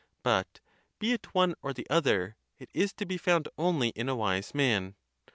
But, be it one or the other, it is to be found only in a wise man.